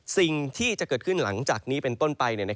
สิ่งที่จะเกิดขึ้นหลังจากนี้เป็นต้นไป